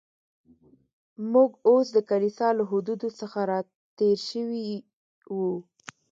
موږ اوس د کلیسا له حدودو څخه را تېر شوي و.